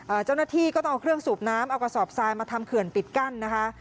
เจ้าหน้าที่ก็ต้องเอาเครื่องสูบน้ำเอากระสอบทรายมาทำเขื่อนปิดกั้นนะคะ